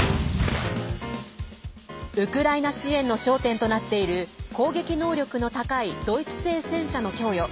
ウクライナ支援の焦点となっている攻撃能力の高いドイツ製戦車の供与。